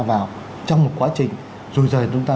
vào trong một quá trình rồi giờ chúng ta